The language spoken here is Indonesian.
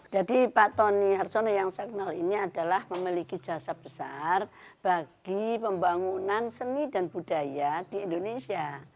jadi pak tony harsono yang saya kenal ini adalah memiliki jasa besar bagi pembangunan seni dan budaya di indonesia